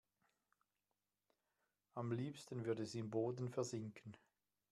Am liebsten würde sie im Boden versinken.